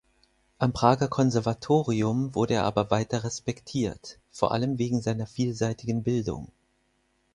Am Prager Konservatorium wurde er aber weiter respektiert, vor allem wegen seiner vielseitigen Bildung.